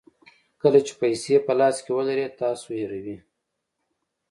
کله چې پیسې په لاس کې ولرئ تاسو هیروئ.